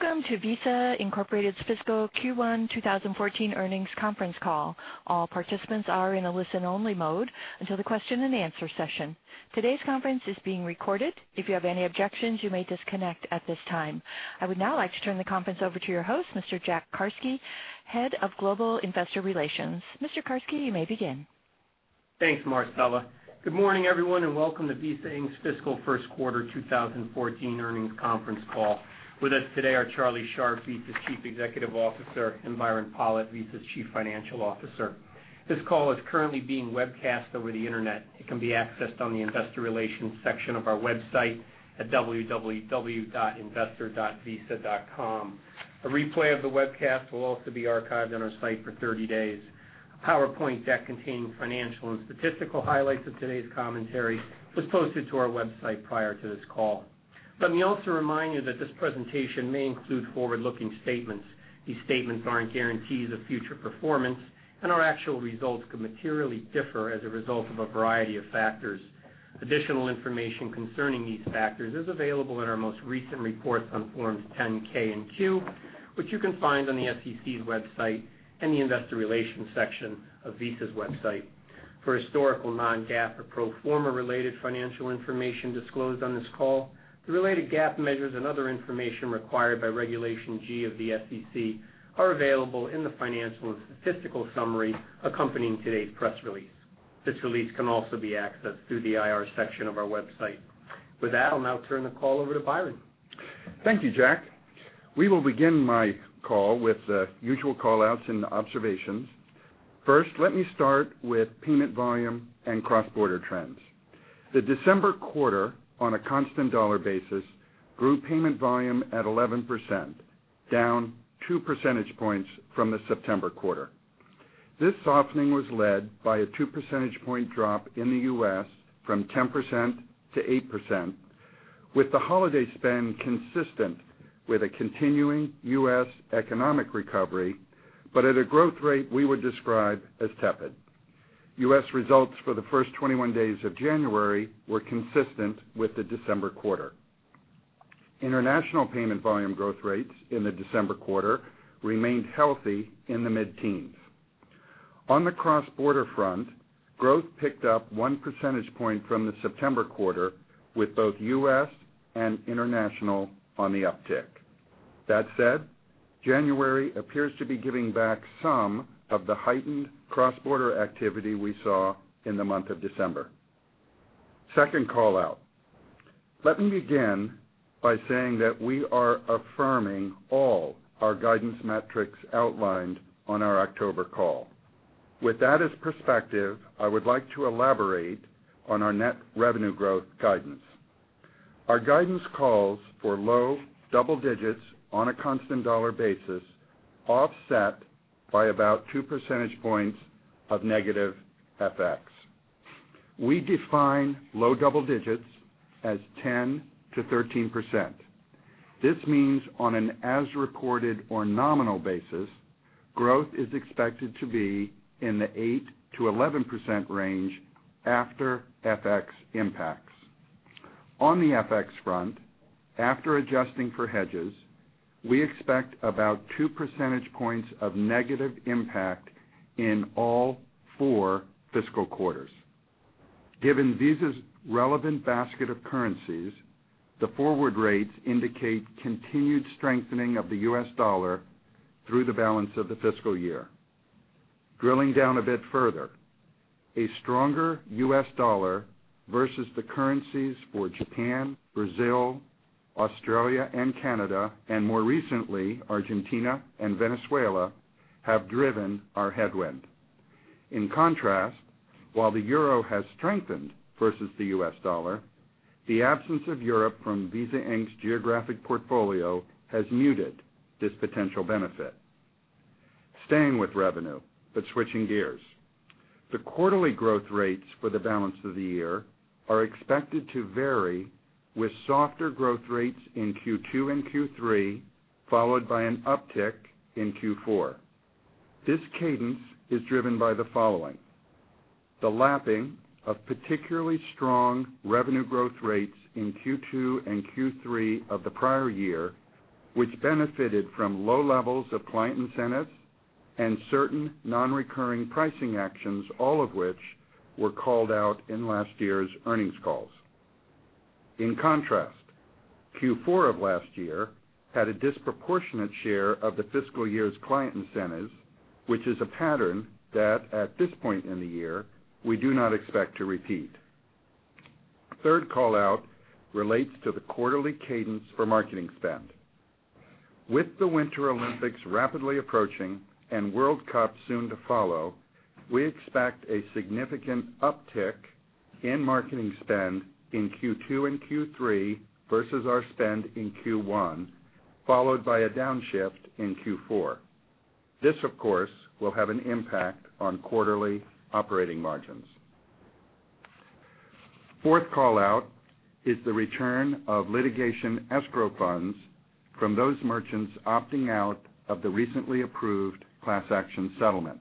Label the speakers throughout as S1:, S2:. S1: Welcome to Visa Incorporated's Fiscal Q1 2014 Earnings Conference Call. All participants are in a listen-only mode until the question-and-answer session. Today's conference is being recorded. If you have any objections, you may disconnect at this time. I would now like to turn the conference over to your host, Mr. Jack Carsky, head of global investor relations. Mr. Carsky, you may begin.
S2: Thanks, Marcela. Good morning, everyone, and welcome to Visa Inc.'s Fiscal First Quarter 2014 Earnings Conference Call. With us today are Charlie Scharf, Visa's Chief Executive Officer, and Byron Pollitt, Visa's Chief Financial Officer. This call is currently being webcast over the Internet. It can be accessed on the investor relations section of our website at www.investor.visa.com. A replay of the webcast will also be archived on our site for 30 days. A PowerPoint deck containing financial and statistical highlights of today's commentary was posted to our website prior to this call. Let me also remind you that this presentation may include forward-looking statements. These statements aren't guarantees of future performance, and our actual results could materially differ as a result of a variety of factors. Additional information concerning these factors is available in our most recent reports on Forms 10-K and 10-Q, which you can find on the SEC's website and the investor relations section of Visa's website. For historical non-GAAP or pro forma-related financial information disclosed on this call, the related GAAP measures and other information required by Regulation G of the SEC are available in the financial and statistical summary accompanying today's press release. This release can also be accessed through the IR section of our website. With that, I'll now turn the call over to Byron.
S3: Thank you, Jack. We will begin my call with the usual callouts and observations. First, let me start with payment volume and cross-border trends. The December quarter, on a constant dollar basis, grew payment volume at 11%, down two percentage points from the September quarter. This softening was led by a two percentage point drop in the U.S. from 10% to 8%, with the holiday spend consistent with a continuing U.S. economic recovery, but at a growth rate we would describe as tepid. U.S. results for the first 21 days of January were consistent with the December quarter. International payment volume growth rates in the December quarter remained healthy in the mid-teens. On the cross-border front, growth picked up one percentage point from the September quarter, with both U.S. and international on the uptick. That said, January appears to be giving back some of the heightened cross-border activity we saw in the month of December. Second callout, let me begin by saying that we are affirming all our guidance metrics outlined on our October call. With that as perspective, I would like to elaborate on our net revenue growth guidance. Our guidance calls for low double digits on a constant dollar basis, offset by about two percentage points of negative FX. We define low double digits as 10%-13%. This means on an as-reported or nominal basis, growth is expected to be in the 8%-11% range after FX impacts. On the FX front, after adjusting for hedges, we expect about two percentage points of negative impact in all four fiscal quarters. Given Visa's relevant basket of currencies, the forward rates indicate continued strengthening of the U.S. dollar through the balance of the fiscal year. Drilling down a bit further, a stronger U.S. dollar versus the currencies for Japan, Brazil, Australia, and Canada, and more recently Argentina and Venezuela, have driven our headwind. In contrast, while the euro has strengthened versus the U.S. dollar, the absence of Europe from Visa Inc.'s geographic portfolio has muted this potential benefit. Staying with revenue, but switching gears, the quarterly growth rates for the balance of the year are expected to vary with softer growth rates in Q2 and Q3, followed by an uptick in Q4. This cadence is driven by the following: the lapping of particularly strong revenue growth rates in Q2 and Q3 of the prior year, which benefited from low levels of client incentives and certain non-recurring pricing actions, all of which were called out in last year's earnings calls. In contrast, Q4 of last year had a disproportionate share of the fiscal year's client incentives, which is a pattern that, at this point in the year, we do not expect to repeat. Third callout relates to the quarterly cadence for marketing spend. With the Winter Olympics rapidly approaching and World Cup soon to follow, we expect a significant uptick in marketing spend in Q2 and Q3 versus our spend in Q1, followed by a downshift in Q4. This, of course, will have an impact on quarterly operating margins. Fourth callout is the return of litigation escrow funds from those merchants opting out of the recently approved class action settlement,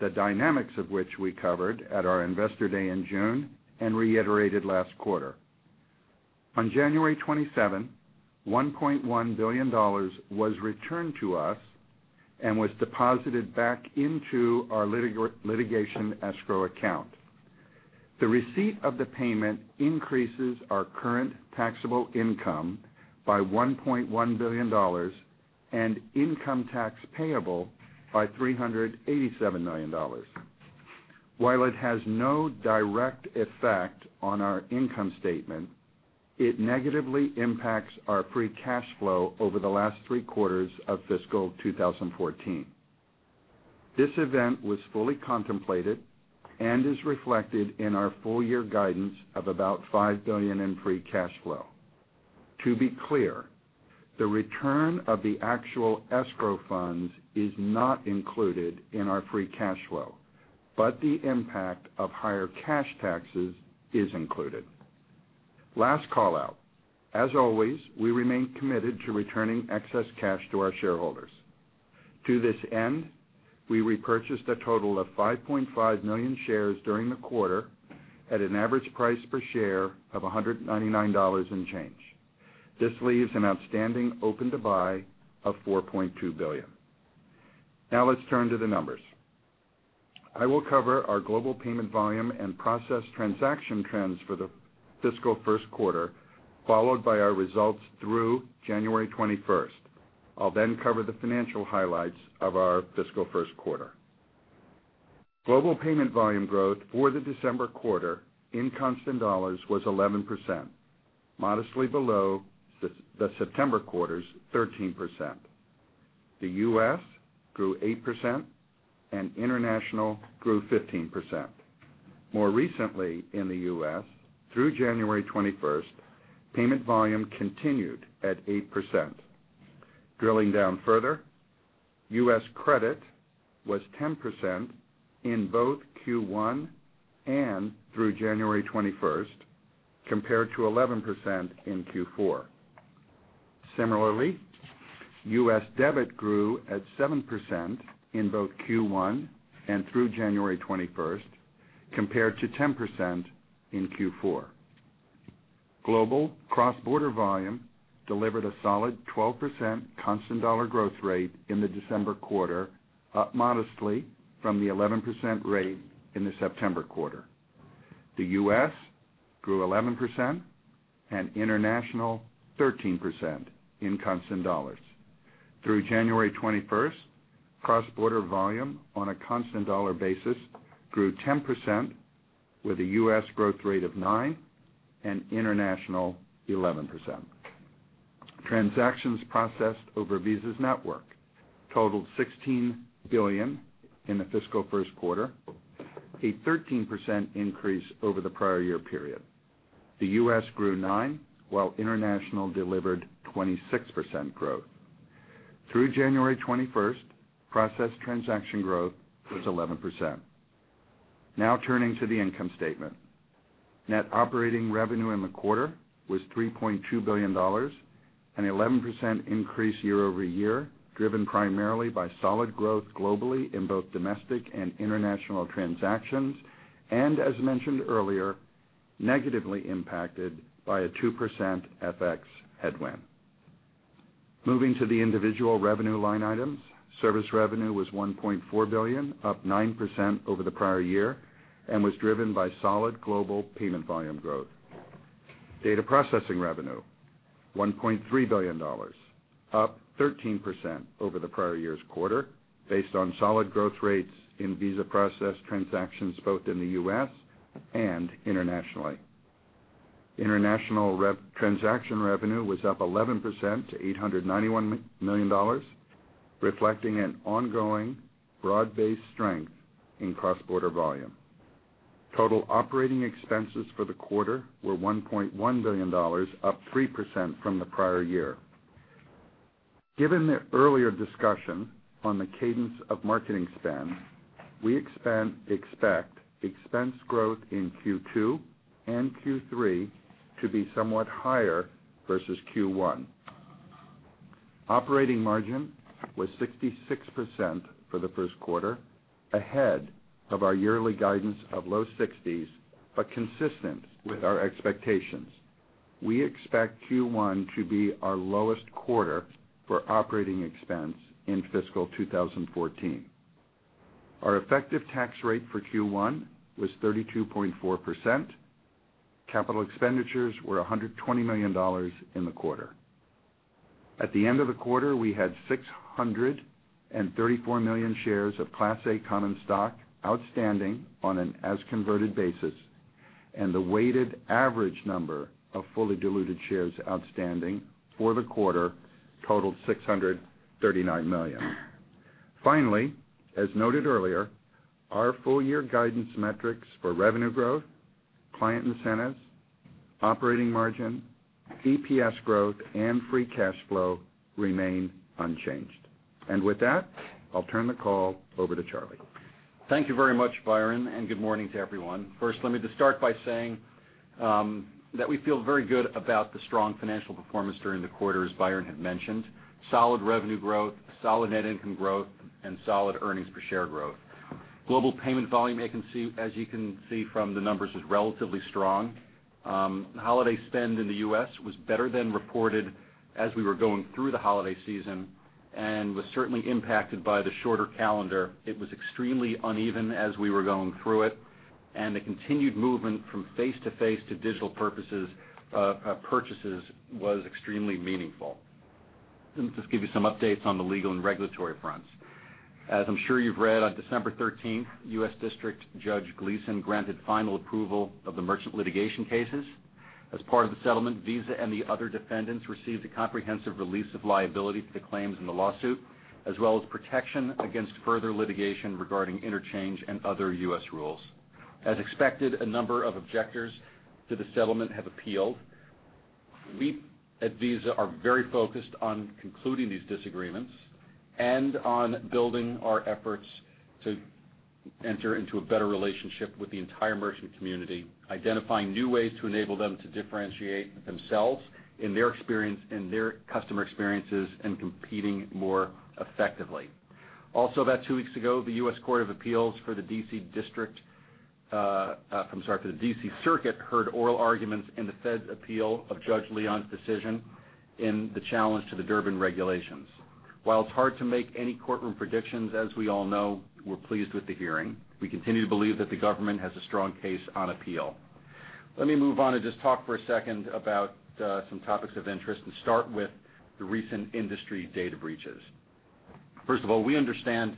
S3: the dynamics of which we covered at our Investor Day in June and reiterated last quarter. On January 27, $1.1 billion was returned to us and was deposited back into our litigation escrow account. The receipt of the payment increases our current taxable income by $1.1 billion and income tax payable by $387 million. While it has no direct effect on our income statement, it negatively impacts our free cash flow over the last three quarters of fiscal 2014. This event was fully contemplated and is reflected in our full-year guidance of about $5 billion in free cash flow. To be clear, the return of the actual escrow funds is not included in our free cash flow, but the impact of higher cash taxes is included. Last callout, as always, we remain committed to returning excess cash to our shareholders. To this end, we repurchased a total of 5.5 million shares during the quarter at an average price per share of $199 and change. This leaves an outstanding open to buy of $4.2 billion. Now let's turn to the numbers. I will cover our global payment volume and process transaction trends for the fiscal first quarter, followed by our results through January 21st. I'll then cover the financial highlights of our fiscal first quarter. Global payment volume growth for the December quarter in constant dollars was 11%, modestly below the September quarter's 13%. The U.S. grew 8% and international grew 15%. More recently in the U.S., through January 21st, payment volume continued at 8%. Drilling down further, U.S. credit was 10% in both Q1 and through January 21st, compared to 11% in Q4. Similarly, U.S. debit grew at 7% in both Q1 and through January 21st, compared to 10% in Q4. Global cross-border volume delivered a solid 12% constant dollar growth rate in the December quarter, up modestly from the 11% rate in the September quarter. The U.S. grew 11% and international 13% in constant dollars. Through January 21st, cross-border volume on a constant dollar basis grew 10%, with a U.S. growth rate of 9% and international 11%. Transactions processed over Visa's network totaled $16 billion in the fiscal first quarter, a 13% increase over the prior year period. The U.S. grew 9%, while international delivered 26% growth. Through January 21st, processed transaction growth was 11%. Now turning to the income statement, net operating revenue in the quarter was $3.2 billion, an 11% increase year over year, driven primarily by solid growth globally in both domestic and international transactions, and, as mentioned earlier, negatively impacted by a 2% FX headwind. Moving to the individual revenue line items, service revenue was $1.4 billion, up 9% over the prior year, and was driven by solid global payment volume growth. Data processing revenue, $1.3 billion, up 13% over the prior year's quarter, based on solid growth rates in Visa-processed transactions both in the U.S. and internationally. International transaction revenue was up 11% to $891 million, reflecting an ongoing broad-based strength in cross-border volume. Total operating expenses for the quarter were $1.1 billion, up 3% from the prior year. Given the earlier discussion on the cadence of marketing spend, we expect expense growth in Q2 and Q3 to be somewhat higher versus Q1. Operating margin was 66% for the first quarter, ahead of our yearly guidance of low 60s, but consistent with our expectations. We expect Q1 to be our lowest quarter for operating expense in fiscal 2014. Our effective tax rate for Q1 was 32.4%. Capital expenditures were $120 million in the quarter. At the end of the quarter, we had 634 million shares of Class A common stock outstanding on an as-converted basis, and the weighted average number of fully diluted shares outstanding for the quarter totaled 639 million. Finally, as noted earlier, our full-year guidance metrics for revenue growth, client incentives, operating margin, EPS growth, and free cash flow remain unchanged, and with that, I'll turn the call over to Charlie.
S4: Thank you very much, Byron, and good morning to everyone. First, let me just start by saying that we feel very good about the strong financial performance during the quarters, Byron had mentioned: solid revenue growth, solid net income growth, and solid earnings per share growth. Global payment volume, as you can see from the numbers, is relatively strong. Holiday spend in the U.S. was better than reported as we were going through the holiday season and was certainly impacted by the shorter calendar. It was extremely uneven as we were going through it, and the continued movement from face-to-face to digital purchases was extremely meaningful. Let me just give you some updates on the legal and regulatory fronts. As I'm sure you've read, on December 13th, U.S. District Judge Gleeson granted final approval of the merchant litigation cases. As part of the settlement, Visa and the other defendants received a comprehensive release of liability for the claims in the lawsuit, as well as protection against further litigation regarding interchange and other U.S. rules. As expected, a number of objectors to the settlement have appealed. We at Visa are very focused on concluding these disagreements and on building our efforts to enter into a better relationship with the entire merchant community, identifying new ways to enable them to differentiate themselves in their customer experiences and competing more effectively. Also, about two weeks ago, the U.S. Court of Appeals for the D.C. District, I'm sorry, for the D.C. Circuit, heard oral arguments in the Fed's appeal of Judge Leon's decision in the challenge to the Durbin regulations. While it's hard to make any courtroom predictions, as we all know, we're pleased with the hearing. We continue to believe that the government has a strong case on appeal. Let me move on and just talk for a second about some topics of interest and start with the recent industry data breaches. First of all, we understand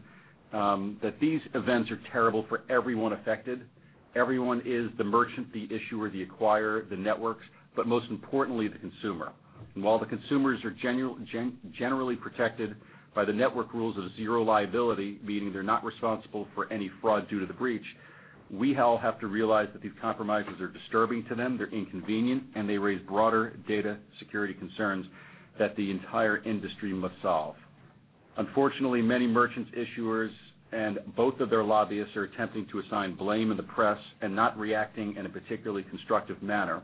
S4: that these events are terrible for everyone affected. Everyone is the merchant, the issuer, the acquirer, the networks, but most importantly, the consumer. And while the consumers are generally protected by the network rules of Zero Liability, meaning they're not responsible for any fraud due to the breach, we all have to realize that these compromises are disturbing to them, they're inconvenient, and they raise broader data security concerns that the entire industry must solve. Unfortunately, many merchants, issuers, and both of their lobbyists are attempting to assign blame in the press and not reacting in a particularly constructive manner.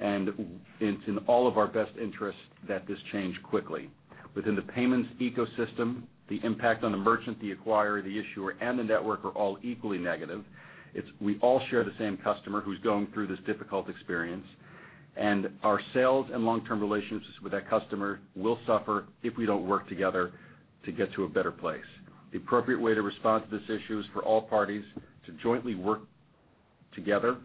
S4: It's in all of our best interests that this change quickly. Within the payments ecosystem, the impact on the merchant, the acquirer, the issuer, and the network are all equally negative. We all share the same customer who's going through this difficult experience, and our sales and long-term relationships with that customer will suffer if we don't work together to get to a better place. The appropriate way to respond to this issue is for all parties to jointly work together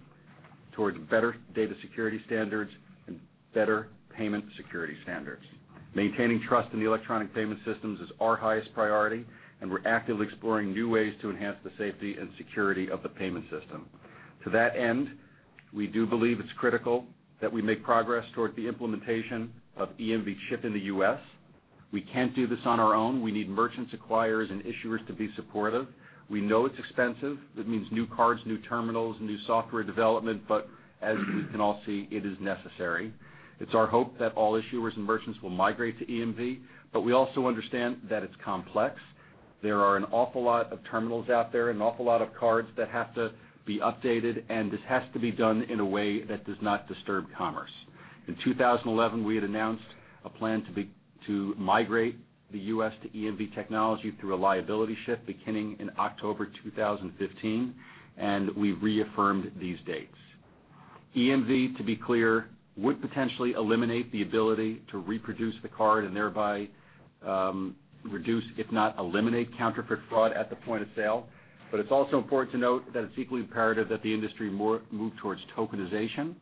S4: towards better data security standards and better payment security standards. Maintaining trust in the electronic payment systems is our highest priority, and we're actively exploring new ways to enhance the safety and security of the payment system. To that end, we do believe it's critical that we make progress toward the implementation of EMV chip in the U.S. We can't do this on our own. We need merchants, acquirers, and issuers to be supportive. We know it's expensive. It means new cards, new terminals, new software development, but as we can all see, it is necessary. It's our hope that all issuers and merchants will migrate to EMV, but we also understand that it's complex. There are an awful lot of terminals out there, an awful lot of cards that have to be updated, and this has to be done in a way that does not disturb commerce. In 2011, we had announced a plan to migrate the U.S. to EMV technology through a liability shift beginning in October 2015, and we reaffirmed these dates. EMV, to be clear, would potentially eliminate the ability to reproduce the card and thereby reduce, if not eliminate, counterfeit fraud at the point of sale. But it's also important to note that it's equally imperative that the industry move towards tokenization,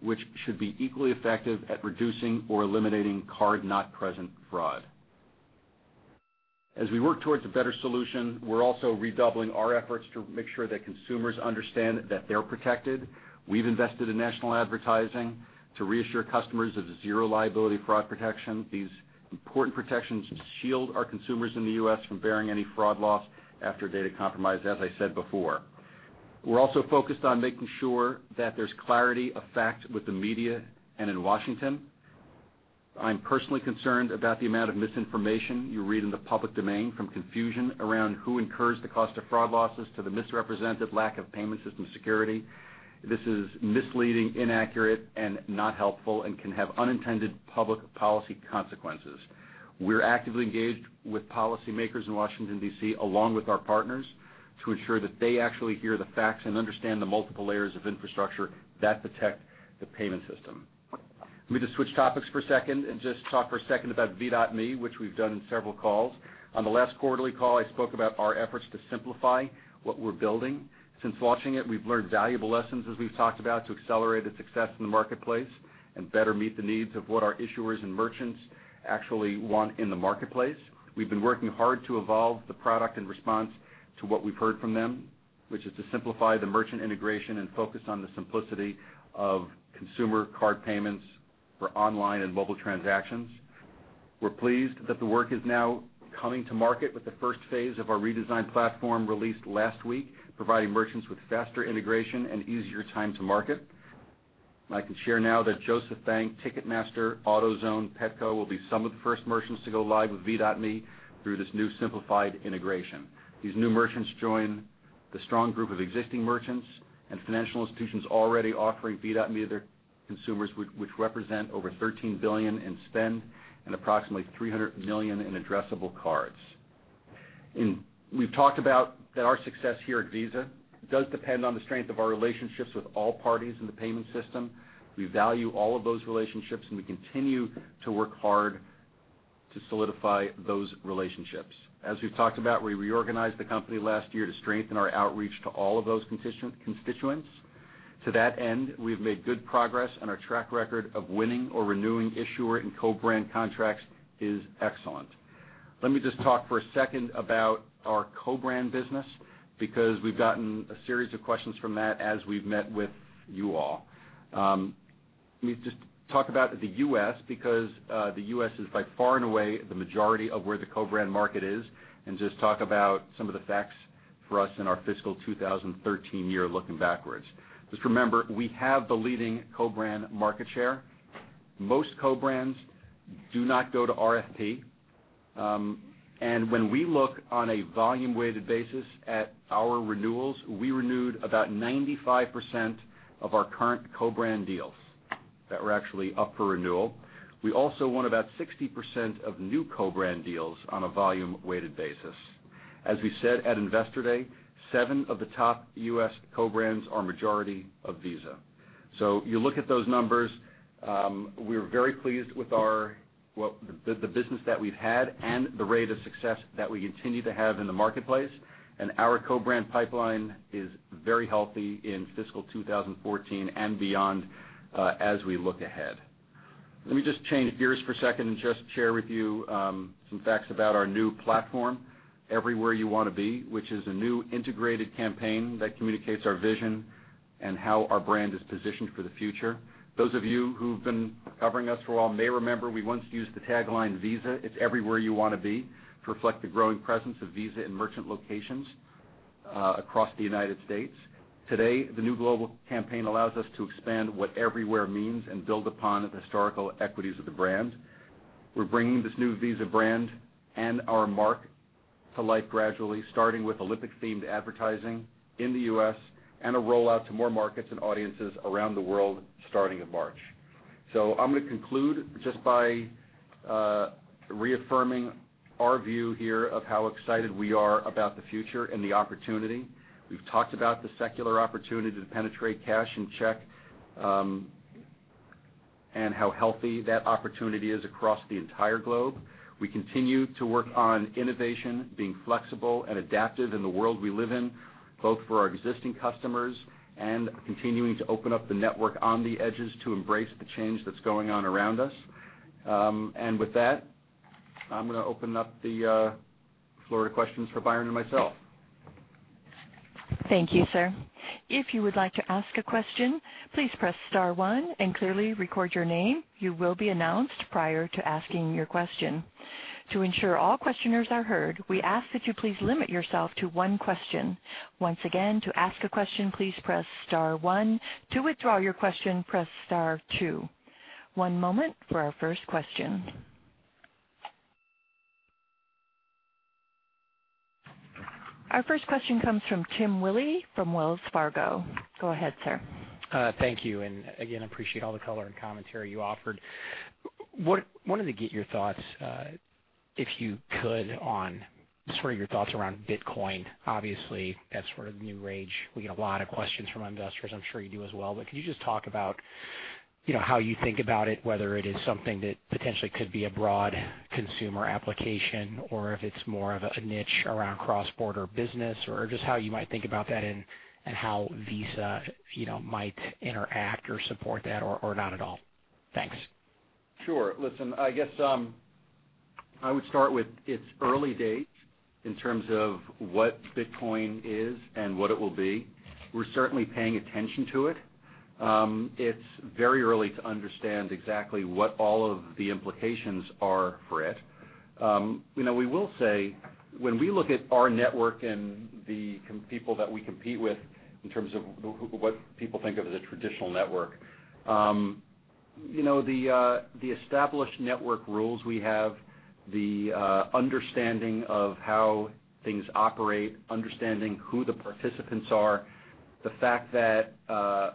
S4: which should be equally effective at reducing or eliminating card-not-present fraud. As we work towards a better solution, we're also redoubling our efforts to make sure that consumers understand that they're protected. We've invested in national advertising to reassure customers of Zero Liability fraud protection. These important protections shield our consumers in the U.S. from bearing any fraud loss after data compromise, as I said before. We're also focused on making sure that there's clarity of fact with the media and in Washington. I'm personally concerned about the amount of misinformation you read in the public domain from confusion around who incurs the cost of fraud losses to the misrepresented lack of payment system security. This is misleading, inaccurate, and not helpful, and can have unintended public policy consequences. We're actively engaged with policymakers in Washington, D.C., along with our partners to ensure that they actually hear the facts and understand the multiple layers of infrastructure that protect the payment system. Let me just switch topics for a second and just talk for a second about V.me, which we've done in several calls. On the last quarterly call, I spoke about our efforts to simplify what we're building. Since launching it, we've learned valuable lessons, as we've talked about, to accelerate its success in the marketplace and better meet the needs of what our issuers and merchants actually want in the marketplace. We've been working hard to evolve the product in response to what we've heard from them, which is to simplify the merchant integration and focus on the simplicity of consumer card payments for online and mobile transactions. We're pleased that the work is now coming to market with the first phase of our redesigned platform released last week, providing merchants with faster integration and easier time to market. I can share now that Jos. A. Bank, Ticketmaster, AutoZone, Petco will be some of the first merchants to go live with V.me through this new simplified integration. These new merchants join the strong group of existing merchants and financial institutions already offering V.me to their consumers, which represent over $13 billion in spend and approximately 300 million in addressable cards. We've talked about that our success here at Visa does depend on the strength of our relationships with all parties in the payment system. We value all of those relationships, and we continue to work hard to solidify those relationships. As we've talked about, we reorganized the company last year to strengthen our outreach to all of those constituents. To that end, we've made good progress, and our track record of winning or renewing issuer and co-brand contracts is excellent. Let me just talk for a second about our co-brand business because we've gotten a series of questions from that as we've met with you all. Let me just talk about the U.S. because the U.S. is by far and away the majority of where the co-brand market is, and just talk about some of the facts for us in our fiscal 2013 year looking backwards. Just remember, we have the leading co-brand market share. Most co-brands do not go to RFP, and when we look on a volume-weighted basis at our renewals, we renewed about 95% of our current co-brand deals that were actually up for renewal. We also won about 60% of new co-brand deals on a volume-weighted basis. As we said at Investor Day, seven of the top U.S. co-brands are majority of Visa. So you look at those numbers, we're very pleased with the business that we've had and the rate of success that we continue to have in the marketplace, and our co-brand pipeline is very healthy in fiscal 2014 and beyond as we look ahead. Let me just change gears for a second and just share with you some facts about our new platform, Everywhere You Want to Be, which is a new integrated campaign that communicates our vision and how our brand is positioned for the future. Those of you who've been covering us for a while may remember we once used the tagline "Visa, it's Everywhere You Want to Be" to reflect the growing presence of Visa in merchant locations across the United States. Today, the new global campaign allows us to expand what everywhere means and build upon the historical equities of the brand. We're bringing this new Visa brand and our mark to life gradually, starting with Olympic-themed advertising in the U.S. and a rollout to more markets and audiences around the world starting in March. So I'm going to conclude just by reaffirming our view here of how excited we are about the future and the opportunity. We've talked about the secular opportunity to penetrate cash and check and how healthy that opportunity is across the entire globe. We continue to work on innovation, being flexible and adaptive in the world we live in, both for our existing customers and continuing to open up the network on the edges to embrace the change that's going on around us. With that, I'm going to open up the floor to questions for Byron and myself.
S1: Thank you, sir. If you would like to ask a question, please press star one and clearly record your name. You will be announced prior to asking your question. To ensure all questioners are heard, we ask that you please limit yourself to one question. Once again, to ask a question, please press star one. To withdraw your question, press star two. One moment for our first question. Our first question comes from Tim Willi from Wells Fargo. Go ahead, sir.
S5: Thank you. And again, I appreciate all the color and commentary you offered. I wanted to get your thoughts, if you could, on sort of your thoughts around Bitcoin. Obviously, that's sort of new rage. We get a lot of questions from investors. I'm sure you do as well. But could you just talk about how you think about it, whether it is something that potentially could be a broad consumer application or if it's more of a niche around cross-border business, or just how you might think about that and how Visa might interact or support that or not at all? Thanks.
S4: Sure. Listen, I guess I would start with its early days in terms of what Bitcoin is and what it will be. We're certainly paying attention to it. It's very early to understand exactly what all of the implications are for it. We will say when we look at our network and the people that we compete with in terms of what people think of as a traditional network, the established network rules we have, the understanding of how things operate, understanding who the participants are, the fact that the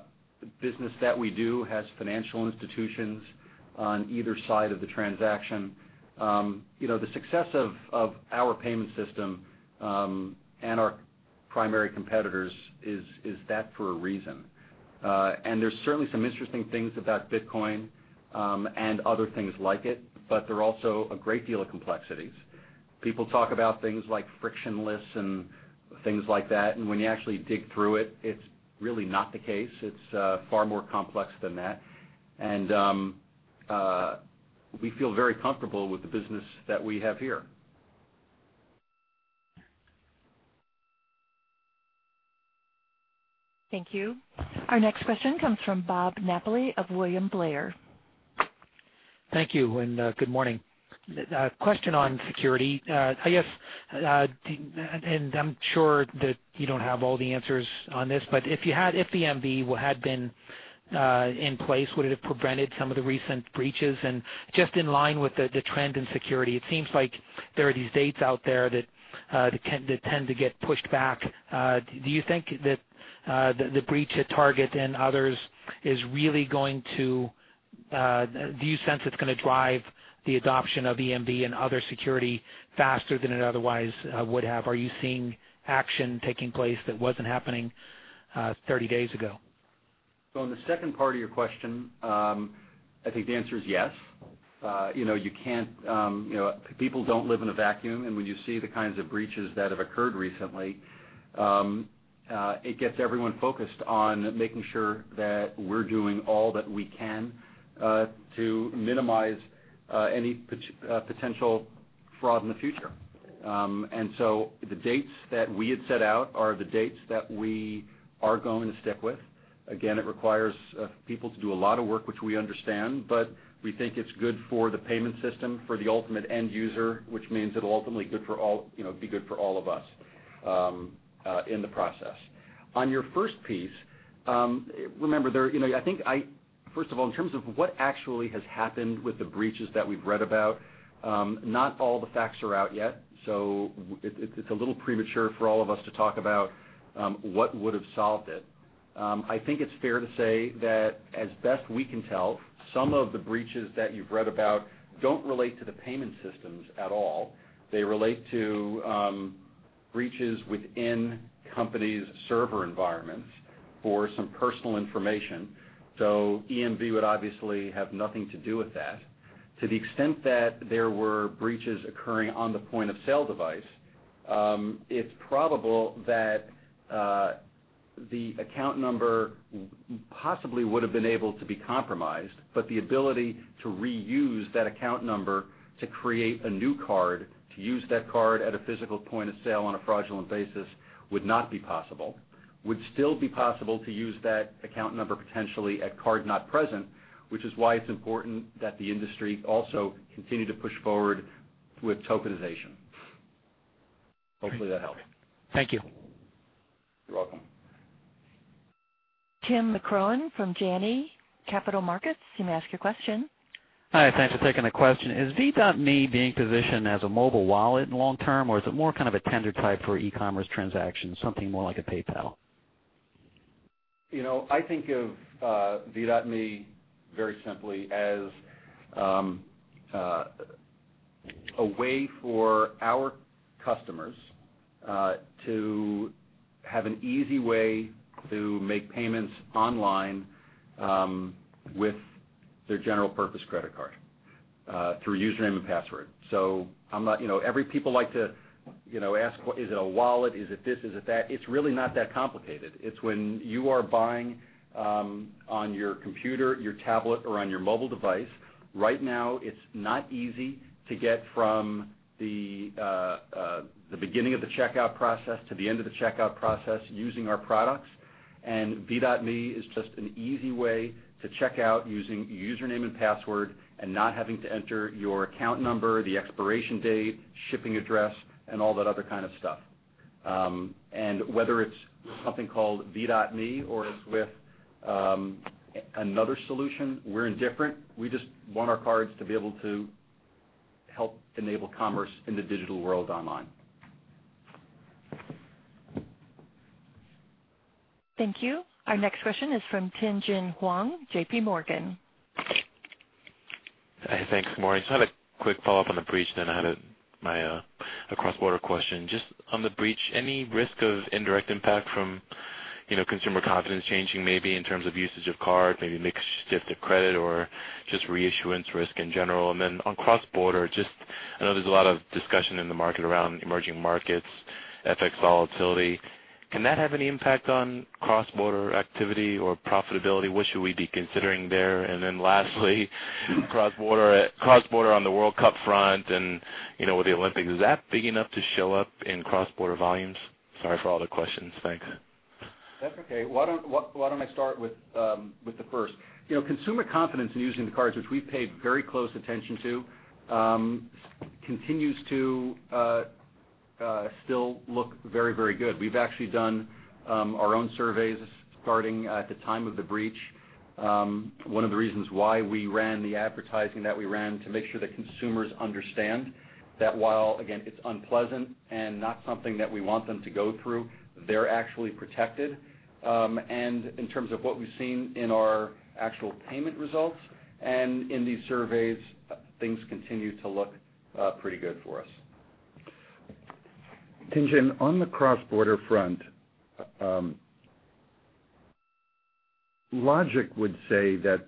S4: business that we do has financial institutions on either side of the transaction. The success of our payment system and our primary competitors is that for a reason. And there's certainly some interesting things about Bitcoin and other things like it, but there are also a great deal of complexities. People talk about things like frictionless and things like that. When you actually dig through it, it's really not the case. It's far more complex than that. We feel very comfortable with the business that we have here.
S1: Thank you. Our next question comes from Bob Napoli of William Blair.
S5: Thank you and good morning. Question on security. I guess, and I'm sure that you don't have all the answers on this, but if the EMV had been in place, would it have prevented some of the recent breaches, and just in line with the trend in security, it seems like there are these dates out there that tend to get pushed back. Do you think that the breach at Target and others is really going to, do you sense it's going to drive the adoption of EMV and other security faster than it otherwise would have? Are you seeing action taking place that wasn't happening 30 days ago?
S4: So on the second part of your question, I think the answer is yes. You can't, people don't live in a vacuum. And when you see the kinds of breaches that have occurred recently, it gets everyone focused on making sure that we're doing all that we can to minimize any potential fraud in the future. And so the dates that we had set out are the dates that we are going to stick with. Again, it requires people to do a lot of work, which we understand, but we think it's good for the payment system, for the ultimate end user, which means it'll ultimately be good for all of us in the process. On your first piece, remember, I think, first of all, in terms of what actually has happened with the breaches that we've read about, not all the facts are out yet. So it's a little premature for all of us to talk about what would have solved it. I think it's fair to say that, as best we can tell, some of the breaches that you've read about don't relate to the payment systems at all. They relate to breaches within companies' server environments for some personal information. So EMV would obviously have nothing to do with that. To the extent that there were breaches occurring on the point of sale device, it's probable that the account number possibly would have been able to be compromised, but the ability to reuse that account number to create a new card, to use that card at a physical point of sale on a fraudulent basis would not be possible. Would still be possible to use that account number potentially at card-not-present, which is why it's important that the industry also continue to push forward with tokenization. Hopefully, that helps.
S5: Thank you.
S4: You're welcome.
S1: Thomas McCrohan from Janney Capital Markets. You may ask your question.
S5: Hi. Thanks for taking the question. Is V.me being positioned as a mobile wallet in the long term, or is it more kind of a tender type for e-commerce transactions, something more like a PayPal?
S4: I think of V.me very simply as a way for our customers to have an easy way to make payments online with their general purpose credit card through username and password. So everybody like to ask, "Is it a wallet? Is it this? Is it that?" It's really not that complicated. It's when you are buying on your computer, your tablet, or on your mobile device. Right now, it's not easy to get from the beginning of the checkout process to the end of the checkout process using our products. And V.me is just an easy way to check out using username and password and not having to enter your account number, the expiration date, shipping address, and all that other kind of stuff. And whether it's something called V.me or it's with another solution, we're indifferent. We just want our cards to be able to help enable commerce in the digital world online.
S1: Thank you. Our next question is from Tien-tsin Huang, J.P. Morgan.
S5: Hey, thanks, Morning. Just had a quick follow-up on the breach, then I had my cross-border question. Just on the breach, any risk of indirect impact from consumer confidence changing maybe in terms of usage of card, maybe mixed shift of credit or just reissuance risk in general? And then on cross-border, just I know there's a lot of discussion in the market around emerging markets, FX volatility. Can that have any impact on cross-border activity or profitability? What should we be considering there? And then lastly, cross-border on the World Cup front and with the Olympics, is that big enough to show up in cross-border volumes? Sorry for all the questions. Thanks.
S4: That's okay. Why don't I start with the first? Consumer confidence in using the cards, which we've paid very close attention to, continues to still look very, very good. We've actually done our own surveys starting at the time of the breach. One of the reasons why we ran the advertising that we ran to make sure that consumers understand that while, again, it's unpleasant and not something that we want them to go through, they're actually protected. And in terms of what we've seen in our actual payment results and in these surveys, things continue to look pretty good for us.
S3: Tien-tsin, on the cross-border front, logic would say that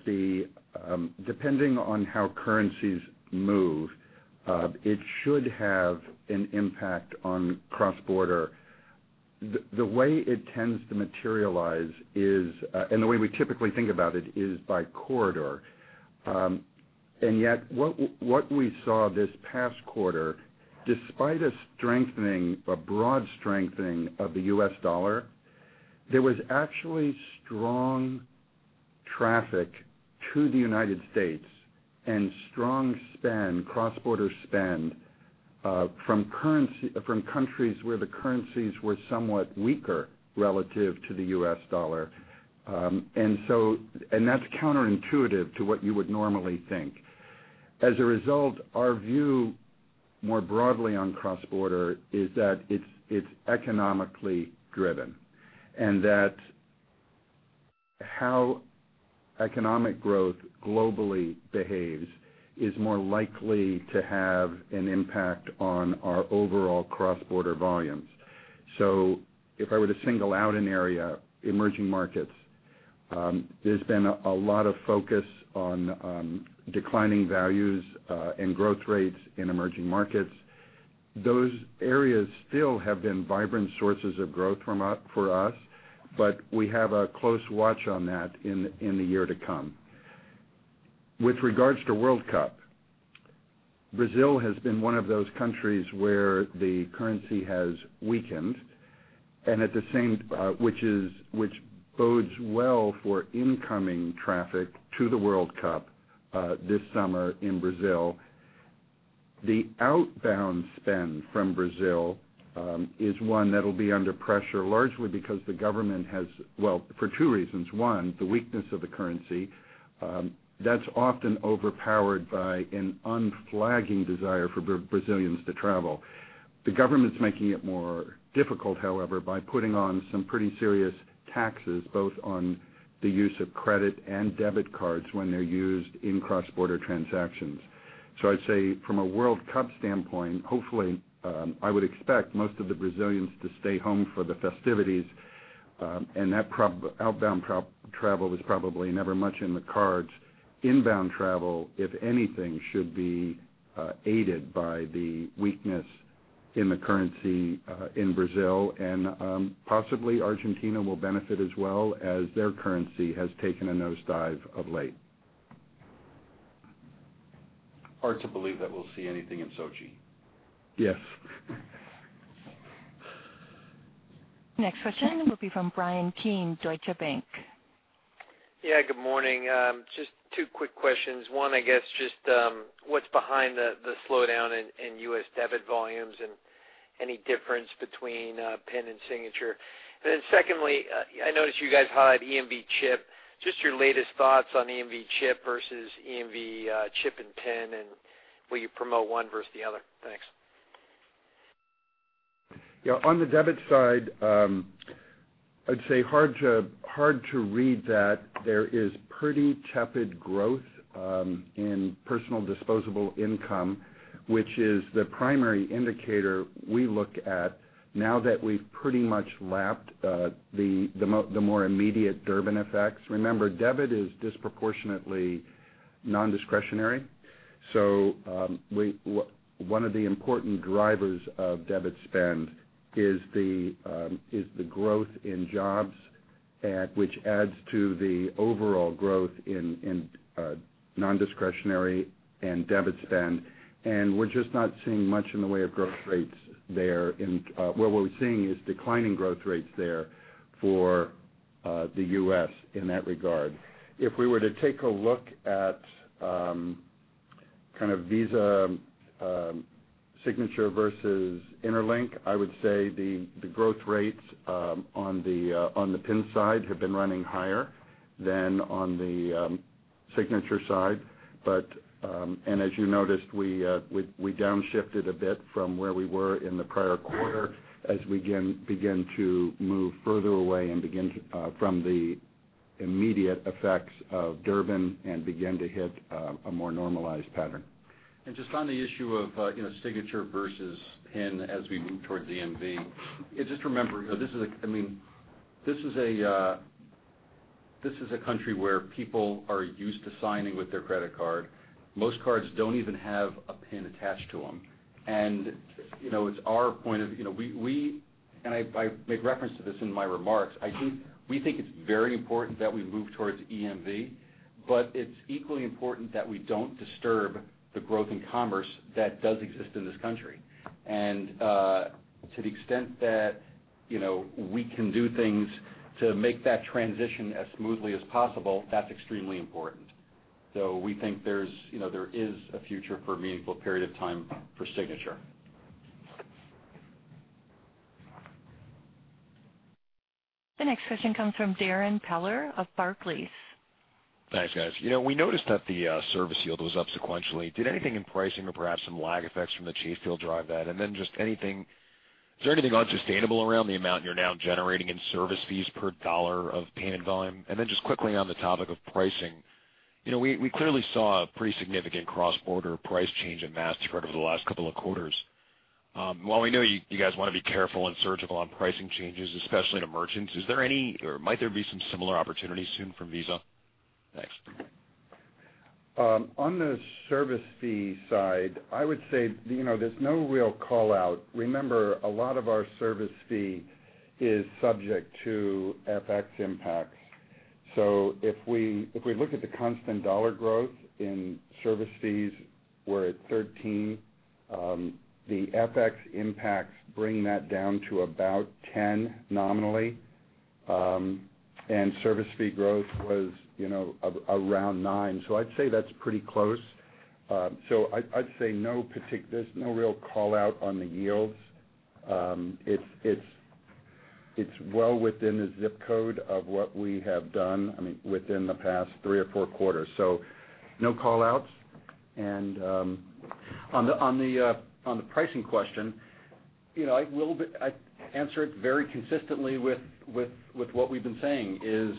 S3: depending on how currencies move, it should have an impact on cross-border. The way it tends to materialize is, and the way we typically think about it is by corridor. And yet what we saw this past quarter, despite a strengthening, a broad strengthening of the U.S. dollar, there was actually strong traffic to the United States and strong spend, cross-border spend from countries where the currencies were somewhat weaker relative to the U.S. dollar. And that's counterintuitive to what you would normally think. As a result, our view more broadly on cross-border is that it's economically driven and that how economic growth globally behaves is more likely to have an impact on our overall cross-border volumes. If I were to single out an area, emerging markets, there's been a lot of focus on declining values and growth rates in emerging markets. Those areas still have been vibrant sources of growth for us, but we have a close watch on that in the year to come. With regards to World Cup, Brazil has been one of those countries where the currency has weakened, which bodes well for incoming traffic to the World Cup this summer in Brazil. The outbound spend from Brazil is one that will be under pressure largely because the government has, well, for two reasons. One, the weakness of the currency. That's often overpowered by an unflagging desire for Brazilians to travel. The government's making it more difficult, however, by putting on some pretty serious taxes both on the use of credit and debit cards when they're used in cross-border transactions. So I'd say from a World Cup standpoint, hopefully, I would expect most of the Brazilians to stay home for the festivities. And that outbound travel is probably never much in the cards. Inbound travel, if anything, should be aided by the weakness in the currency in Brazil. And possibly Argentina will benefit as well as their currency has taken a nosedive of late.
S4: Hard to believe that we'll see anything in Sochi.
S3: Yes.
S1: Next question will be from Bryan Keane, Deutsche Bank.
S5: Yeah, good morning. Just two quick questions. One, I guess, just what's behind the slowdown in U.S. debit volumes and any difference between PIN and signature? And then secondly, I noticed you guys highlight EMV chip. Just your latest thoughts on EMV chip versus EMV chip and PIN and will you promote one versus the other? Thanks.
S3: Yeah. On the debit side, I'd say hard to read that there is pretty tepid growth in personal disposable income, which is the primary indicator we look at now that we've pretty much lapped the more immediate Durbin effects. Remember, debit is disproportionately non-discretionary. So one of the important drivers of debit spend is the growth in jobs, which adds to the overall growth in non-discretionary and debit spend. And we're just not seeing much in the way of growth rates there. What we're seeing is declining growth rates there for the U.S. in that regard. If we were to take a look at kind of Visa Signature versus Interlink, I would say the growth rates on the PIN side have been running higher than on the Signature side. As you noticed, we downshifted a bit from where we were in the prior quarter as we begin to move further away from the immediate effects of Durbin and begin to hit a more normalized pattern. Just on the issue of signature versus PIN as we move towards EMV, just remember, I mean, this is a country where people are used to signing with their credit card. Most cards don't even have a PIN attached to them. It's our point of view, and I make reference to this in my remarks. We think it's very important that we move towards EMV, but it's equally important that we don't disturb the growth in commerce that does exist in this country. To the extent that we can do things to make that transition as smoothly as possible, that's extremely important. We think there is a future for a meaningful period of time for signature.
S1: The next question comes from Darrin Peller of Barclays.
S6: Thanks, guys. We noticed that the service yield was up sequentially. Did anything in pricing or perhaps some lag effects from the Chase deal drive that? And then just anything - is there anything unsustainable around the amount you're now generating in service fees per dollar of payment volume? And then just quickly on the topic of pricing, we clearly saw a pretty significant cross-border price change at MasterCard over the last couple of quarters. While we know you guys want to be careful and surgical on pricing changes, especially to merchants, is there any - or might there be some similar opportunities soon from Visa? Thanks.
S3: On the service fee side, I would say there's no real callout. Remember, a lot of our service fee is subject to FX impacts. So if we look at the constant dollar growth in service fees, we're at 13. The FX impacts bring that down to about 10 nominally, and service fee growth was around 9. So I'd say that's pretty close. So I'd say there's no real callout on the yields. It's well within the zip code of what we have done, I mean, within the past three or four quarters. So no callouts, and on the pricing question, I answer it very consistently with what we've been saying is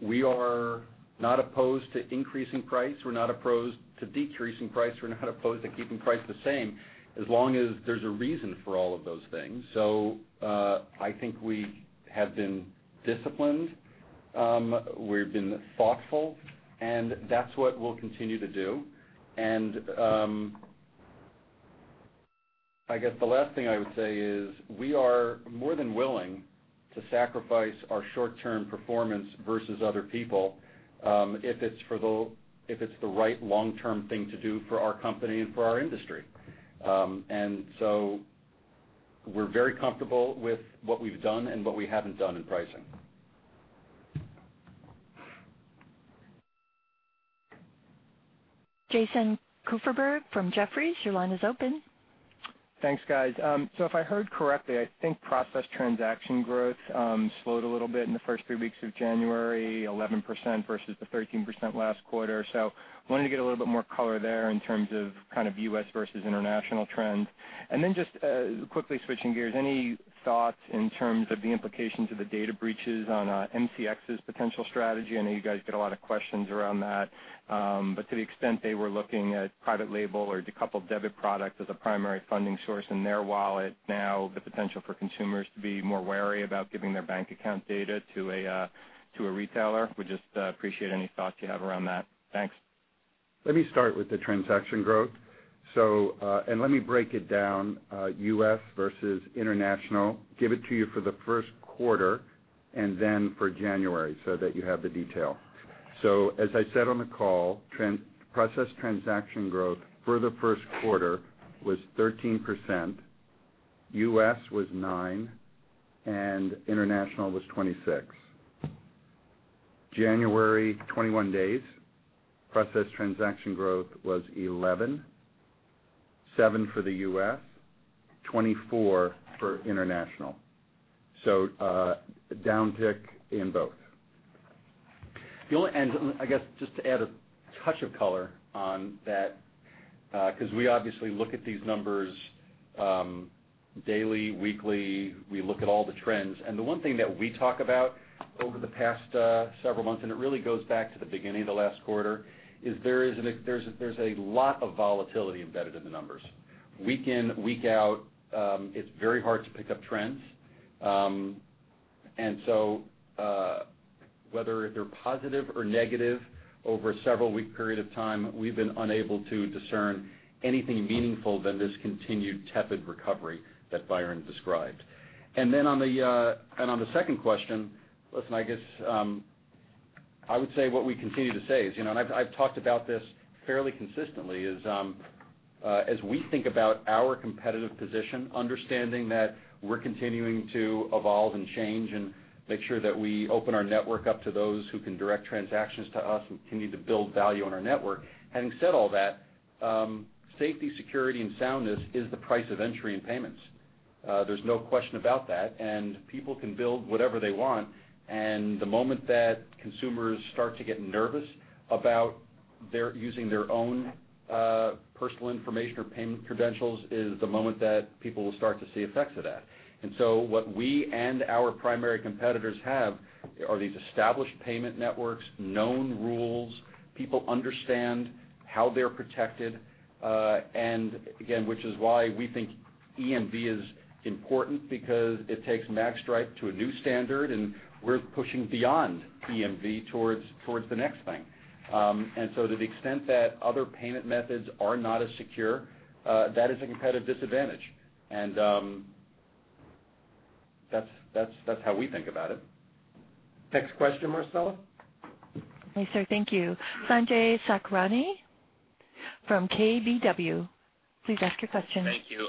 S3: we are not opposed to increasing price. We're not opposed to decreasing price. We're not opposed to keeping price the same as long as there's a reason for all of those things. So I think we have been disciplined. We've been thoughtful, and that's what we'll continue to do. And I guess the last thing I would say is we are more than willing to sacrifice our short-term performance versus other people if it's the right long-term thing to do for our company and for our industry. And so we're very comfortable with what we've done and what we haven't done in pricing.
S1: Jason Kupferberg from Jefferies, your line is open.
S7: Thanks, guys. So if I heard correctly, I think processed transaction growth slowed a little bit in the first three weeks of January, 11% versus the 13% last quarter. So I wanted to get a little bit more color there in terms of kind of U.S. versus international trends. And then just quickly switching gears, any thoughts in terms of the implications of the data breaches on MCX's potential strategy? I know you guys get a lot of questions around that. But to the extent they were looking at private label or decoupled debit products as a primary funding source in their wallet, now the potential for consumers to be more wary about giving their bank account data to a retailer. We just appreciate any thoughts you have around that. Thanks.
S3: Let me start with the transaction growth. Let me break it down, U.S. versus international. Give it to you for the first quarter and then for January so that you have the detail. As I said on the call, processed transaction growth for the first quarter was 13%, U.S. was 9%, and international was 26%. January, 21 days, processed transaction growth was 11%, 7% for the U.S., 24% for international. Downtick in both.
S4: I guess just to add a touch of color on that, because we obviously look at these numbers daily, weekly, we look at all the trends. The one thing that we talk about over the past several months, and it really goes back to the beginning of the last quarter, is there's a lot of volatility embedded in the numbers. Week in, week out, it's very hard to pick up trends. So whether they're positive or negative over a several-week period of time, we've been unable to discern anything meaningful than this continued tepid recovery that Byron described. And then on the second question, listen, I guess I would say what we continue to say is, and I've talked about this fairly consistently, is as we think about our competitive position, understanding that we're continuing to evolve and change and make sure that we open our network up to those who can direct transactions to us and continue to build value on our network. Having said all that, safety, security, and soundness is the price of entry in payments. There's no question about that. And people can build whatever they want. And the moment that consumers start to get nervous about using their own personal information or payment credentials is the moment that people will start to see effects of that. And so what we and our primary competitors have are these established payment networks, known rules. People understand how they're protected. Again, which is why we think EMV is important because it takes magnetic stripe to a new standard and we're pushing beyond EMV towards the next thing. And so to the extent that other payment methods are not as secure, that is a competitive disadvantage. And that's how we think about it. Next question, Marcela.
S1: Yes, sir. Thank you. Sanjay Sakhrani from KBW. Please ask your question.
S8: Thank you.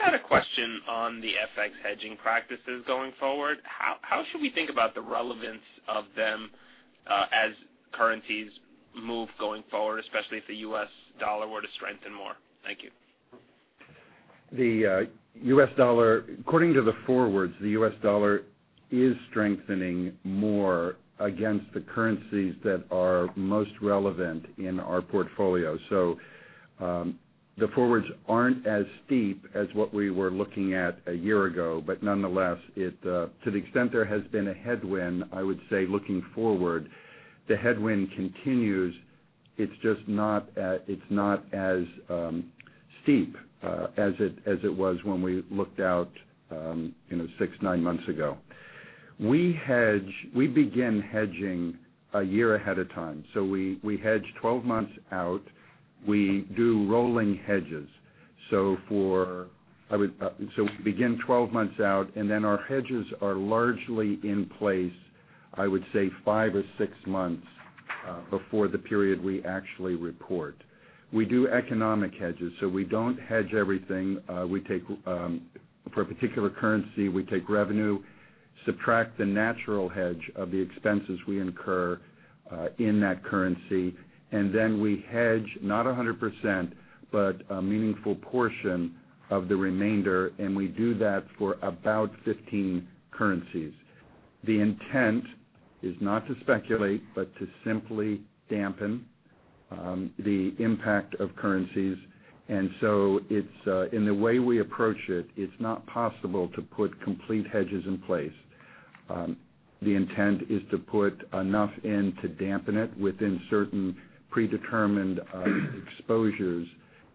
S8: I had a question on the FX hedging practices going forward. How should we think about the relevance of them as currencies move going forward, especially if the U.S. dollar were to strengthen more? Thank you.
S3: According to the forwards, the U.S. dollar is strengthening more against the currencies that are most relevant in our portfolio. So the forwards aren't as steep as what we were looking at a year ago, but nonetheless, to the extent there has been a headwind, I would say looking forward, the headwind continues. It's just not as steep as it was when we looked out six, nine months ago. We begin hedging a year ahead of time. So we hedge 12 months out. We do rolling hedges. So we begin 12 months out, and then our hedges are largely in place, I would say, five or six months before the period we actually report. We do economic hedges. So we don't hedge everything. For a particular currency, we take revenue, subtract the natural hedge of the expenses we incur in that currency, and then we hedge not 100%, but a meaningful portion of the remainder, and we do that for about 15 currencies. The intent is not to speculate, but to simply dampen the impact of currencies, and so in the way we approach it, it's not possible to put complete hedges in place. The intent is to put enough in to dampen it within certain predetermined exposures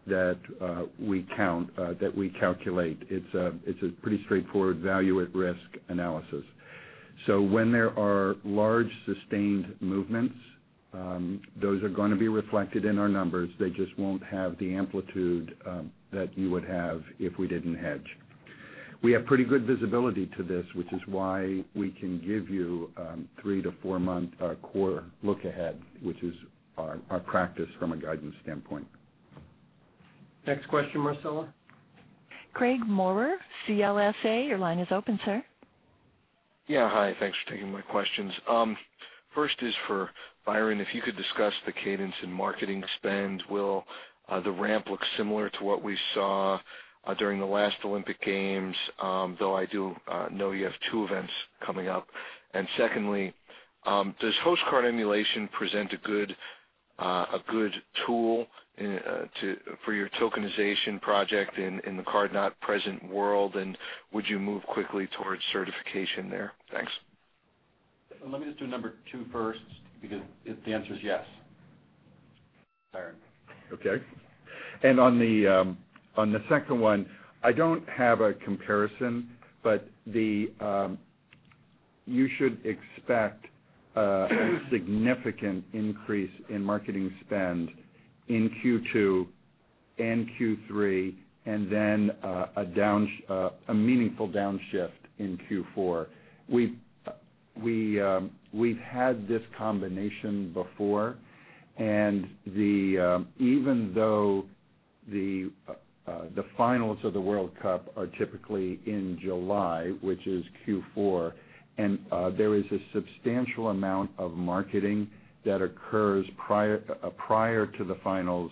S3: that we count, that we calculate. It's a pretty straightforward value at risk analysis, so when there are large sustained movements, those are going to be reflected in our numbers. They just won't have the amplitude that you would have if we didn't hedge. We have pretty good visibility to this, which is why we can give you three- to four-month core look ahead, which is our practice from a guidance standpoint.
S4: Next question, Marcela.
S1: Craig Maurer, CLSA. Your line is open, sir.
S9: Yeah. Hi. Thanks for taking my questions. First is for Byron. If you could discuss the cadence in marketing spend, will the ramp look similar to what we saw during the last Olympic Games? Though I do know you have two events coming up. And secondly, does Host Card Emulation present a good tool for your tokenization project in the card-not-present world? And would you move quickly towards certification there? Thanks.
S4: Let me just do number two first because the answer is yes. Byron.
S3: Okay, and on the second one, I don't have a comparison, but you should expect a significant increase in marketing spend in Q2 and Q3, and then a meaningful downshift in Q4. We've had this combination before, and even though the finals of the World Cup are typically in July, which is Q4, and there is a substantial amount of marketing that occurs prior to the finals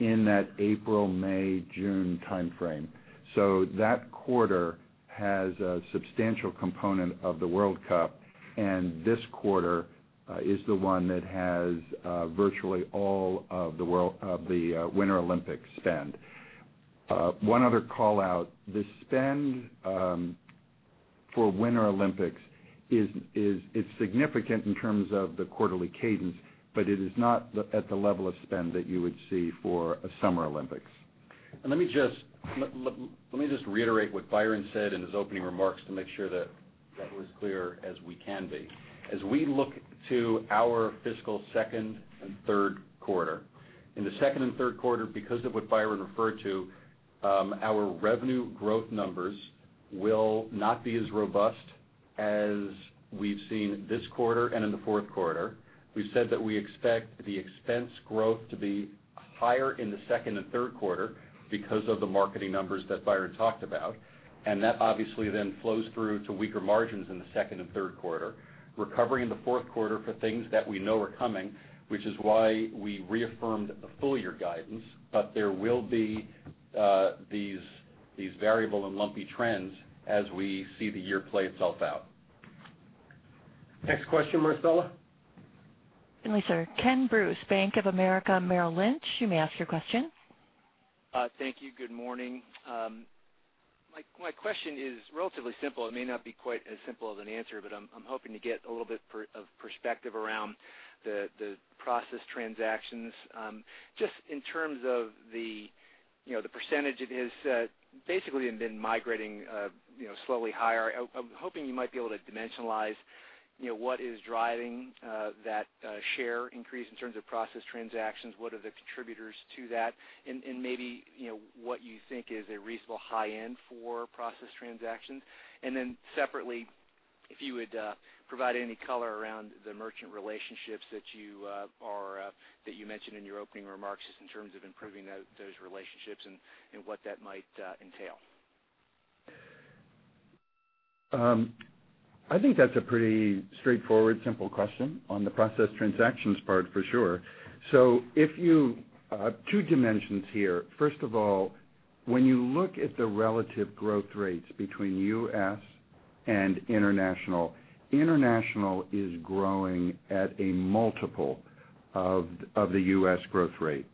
S3: in that April, May, June timeframe, so that quarter has a substantial component of the World Cup, and this quarter is the one that has virtually all of the Winter Olympics spend. One other callout. The spend for Winter Olympics, it's significant in terms of the quarterly cadence, but it is not at the level of spend that you would see for a Summer Olympics.
S4: And let me just reiterate what Byron said in his opening remarks to make sure that it was clear as we can be. As we look to our fiscal second and third quarter, in the second and third quarter, because of what Byron referred to, our revenue growth numbers will not be as robust as we've seen this quarter and in the fourth quarter. We've said that we expect the expense growth to be higher in the second and third quarter because of the marketing numbers that Byron talked about. And that obviously then flows through to weaker margins in the second and third quarter, recovering in the fourth quarter for things that we know are coming, which is why we reaffirmed the full year guidance. But there will be these variable and lumpy trends as we see the year play itself out. Next question, Marcela.
S1: Yes, sir. Ken Bruce, Bank of America Merrill Lynch. You may ask your question.
S10: Thank you. Good morning. My question is relatively simple. It may not be quite as simple of an answer, but I'm hoping to get a little bit of perspective around the processed transactions. Just in terms of the percentage, it has basically been migrating slowly higher. I'm hoping you might be able to dimensionalize what is driving that share increase in terms of processed transactions, what are the contributors to that, and maybe what you think is a reasonable high end for processed transactions. And then separately, if you would provide any color around the merchant relationships that you mentioned in your opening remarks just in terms of improving those relationships and what that might entail.
S3: I think that's a pretty straightforward, simple question on the process transactions part for sure. So two dimensions here. First of all, when you look at the relative growth rates between U.S. and international, international is growing at a multiple of the U.S. growth rate.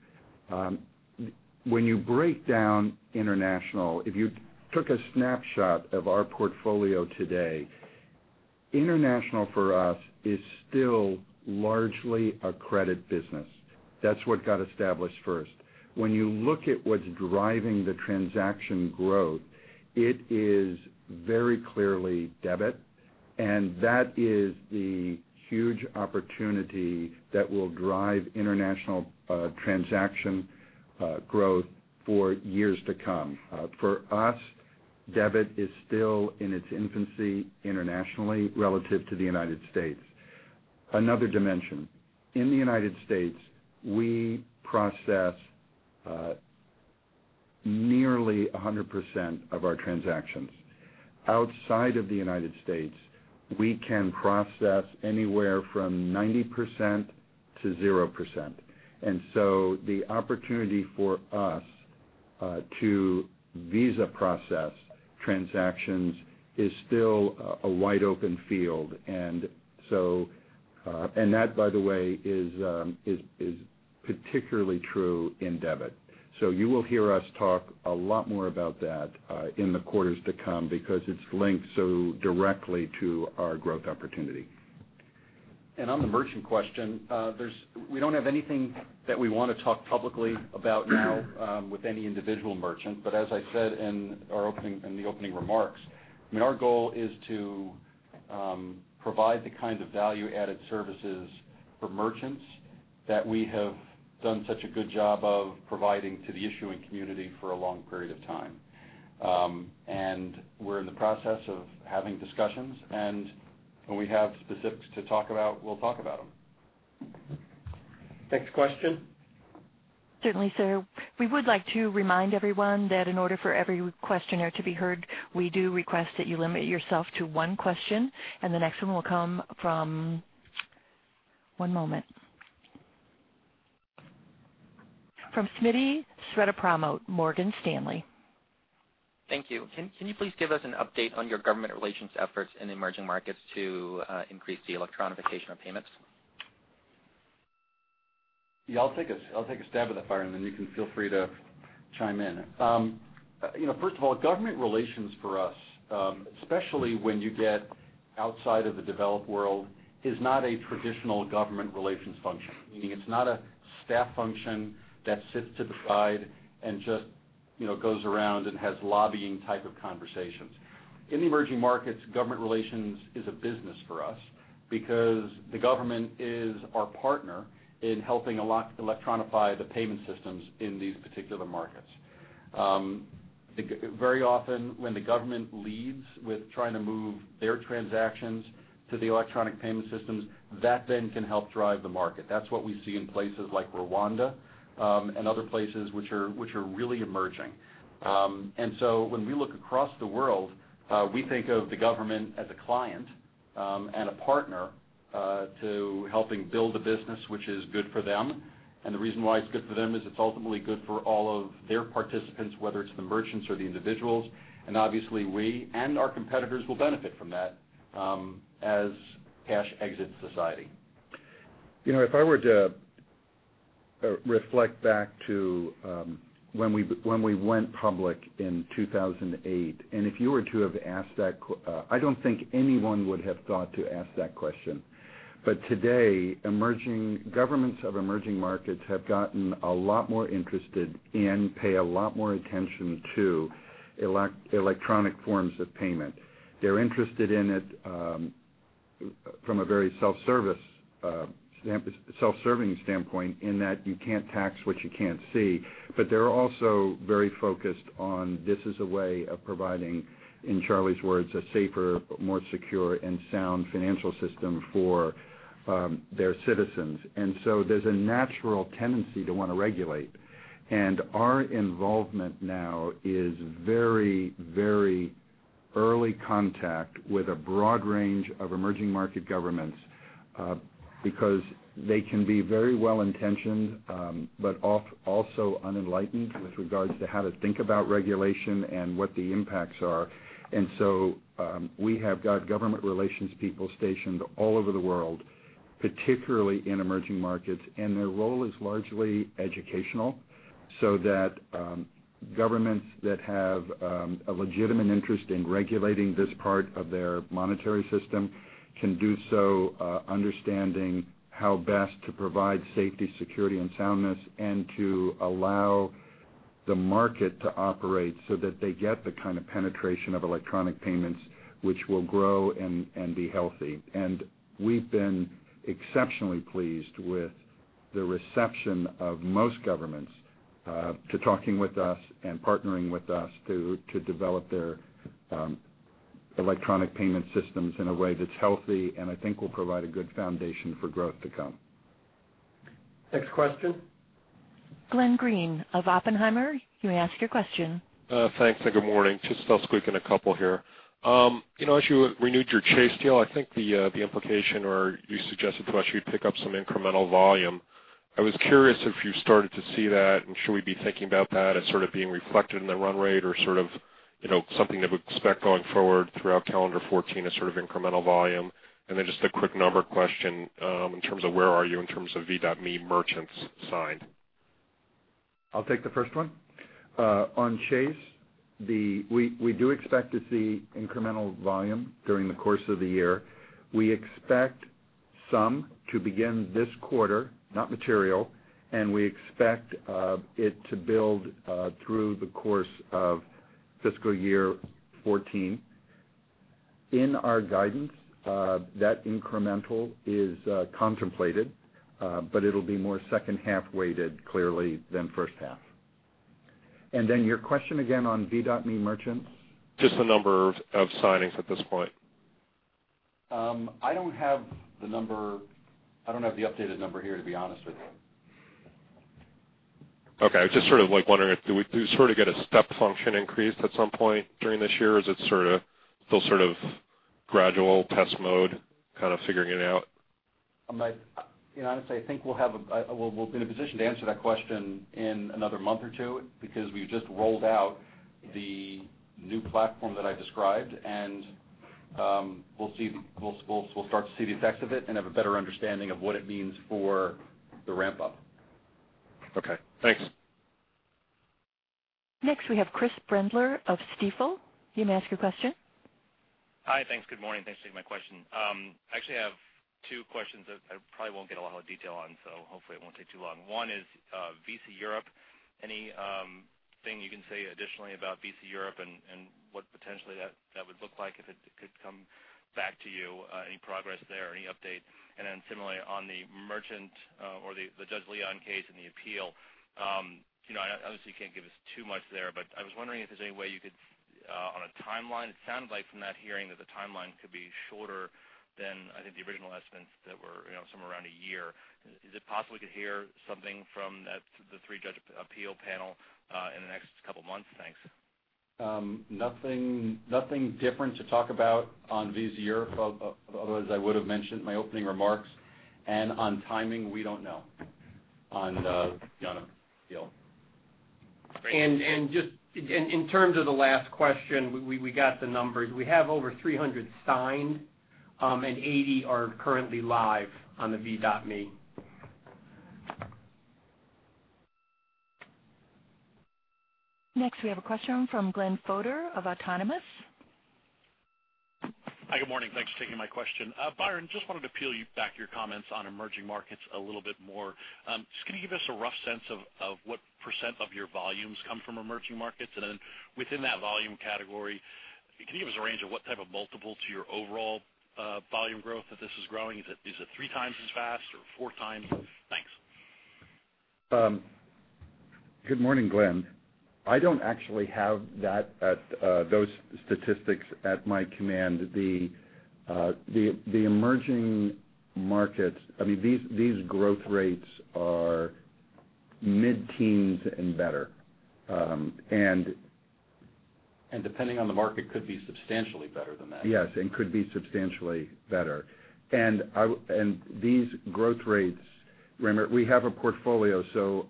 S3: When you break down international, if you took a snapshot of our portfolio today, international for us is still largely a credit business. That's what got established first. When you look at what's driving the transaction growth, it is very clearly debit, and that is the huge opportunity that will drive international transaction growth for years to come. For us, debit is still in its infancy internationally relative to the United States. Another dimension. In the United States, we process nearly 100% of our transactions. Outside of the United States, we can process anywhere from 90% to 0%. And so the opportunity for us to Visa-processed transactions is still a wide open field. And that, by the way, is particularly true in debit. So you will hear us talk a lot more about that in the quarters to come because it's linked so directly to our growth opportunity.
S4: And on the merchant question, we don't have anything that we want to talk publicly about now with any individual merchant. But as I said in the opening remarks, I mean, our goal is to provide the kind of value-added services for merchants that we have done such a good job of providing to the issuing community for a long period of time. And we're in the process of having discussions, and when we have specifics to talk about, we'll talk about them. Next question.
S1: Certainly, sir. We would like to remind everyone that in order for every questioner to be heard, we do request that you limit yourself to one question, and the next one will come in one moment. From Smittipon Srethapramote, Morgan Stanley.
S11: Thank you. Can you please give us an update on your government relations efforts in emerging markets to increase the electronification of payments?
S4: Yeah. I'll take a stab at that, Byron, and you can feel free to chime in. First of all, government relations for us, especially when you get outside of the developed world, is not a traditional government relations function. Meaning it's not a staff function that sits to the side and just goes around and has lobbying type of conversations. In emerging markets, government relations is a business for us because the government is our partner in helping electronify the payment systems in these particular markets. Very often, when the government leads with trying to move their transactions to the electronic payment systems, that then can help drive the market. That's what we see in places like Rwanda and other places which are really emerging. And so when we look across the world, we think of the government as a client and a partner to helping build a business which is good for them. And the reason why it's good for them is it's ultimately good for all of their participants, whether it's the merchants or the individuals. And obviously, we and our competitors will benefit from that as cash exits society.
S3: If I were to reflect back to when we went public in 2008, and if you were to have asked that, I don't think anyone would have thought to ask that question. But today, governments of emerging markets have gotten a lot more interested and pay a lot more attention to electronic forms of payment. They're interested in it from a very self-serving standpoint in that you can't tax what you can't see. But they're also very focused on this is a way of providing, in Charlie's words, a safer, more secure, and sound financial system for their citizens. And so there's a natural tendency to want to regulate. And our involvement now is very, very early contact with a broad range of emerging market governments because they can be very well-intentioned but also unenlightened with regards to how to think about regulation and what the impacts are. We have got government relations people stationed all over the world, particularly in emerging markets, and their role is largely educational so that governments that have a legitimate interest in regulating this part of their monetary system can do so understanding how best to provide safety, security, and soundness, and to allow the market to operate so that they get the kind of penetration of electronic payments which will grow and be healthy. We've been exceptionally pleased with the reception of most governments to talking with us and partnering with us to develop their electronic payment systems in a way that's healthy and I think will provide a good foundation for growth to come.
S4: Next question.
S1: Glenn Greene of Oppenheimer. You may ask your question.
S12: Thanks. And good morning. Just a quick question here. As you renewed your Chase deal, I think the implication or you suggested to us you'd pick up some incremental volume. I was curious if you started to see that and should we be thinking about that as sort of being reflected in the run rate or sort of something that we expect going forward throughout calendar 2014 as sort of incremental volume. And then just a quick number question in terms of where are you in terms of V.me merchants signed.
S3: I'll take the first one. On Chase, we do expect to see incremental volume during the course of the year. We expect some to begin this quarter, not material, and we expect it to build through the course of fiscal year 2014. In our guidance, that incremental is contemplated, but it'll be more second half weighted clearly than first half. And then your question again on V.me merchants?
S12: Just the number of signings at this point.
S4: I don't have the number. I don't have the updated number here, to be honest with you.
S12: Okay. I was just sort of wondering if we sort of get a step function increase at some point during this year? Is it still sort of gradual test mode kind of figuring it out?
S4: I'm not, honestly. I think we'll be in a position to answer that question in another month or two because we've just rolled out the new platform that I described, and we'll start to see the effects of it and have a better understanding of what it means for the ramp-up.
S12: Okay. Thanks.
S1: Next, we have Chris Brendler of Stifel. You may ask your question.
S13: Hi. Thanks. Good morning. Thanks for taking my question. I actually have two questions that I probably won't get a lot of detail on, so hopefully it won't take too long. One is Visa Europe. Anything you can say additionally about Visa Europe and what potentially that would look like if it could come back to you? Any progress there? Any update? And then similarly on the merchant or the Judge Leon case and the appeal, obviously you can't give us too much there, but I was wondering if there's any way you could, on a timeline, it sounded like from that hearing that the timeline could be shorter than I think the original estimates that were somewhere around a year. Is it possible we could hear something from the three-judge appeal panel in the next couple of months? Thanks.
S3: Nothing different to talk about on Visa Europe, otherwise I would have mentioned my opening remarks. And on timing, we don't know on the appeal.
S4: And just in terms of the last question, we got the numbers. We have over 300 signed, and 80 are currently live on the V.me.
S1: Next, we have a question from Glenn Fodor of Autonomous.
S14: Hi. Good morning. Thanks for taking my question. Byron, just wanted to peel back your comments on emerging markets a little bit more. Just can you give us a rough sense of what percent of your volumes come from emerging markets? And then within that volume category, can you give us a range of what type of multiple to your overall volume growth that this is growing? Is it three times as fast or four times? Thanks.
S3: Good morning, Glenn. I don't actually have those statistics at my command. The emerging markets, I mean, these growth rates are mid-teens and better. And.
S4: Depending on the market, could be substantially better than that.
S3: Yes. And could be substantially better. And these growth rates, we have a portfolio, so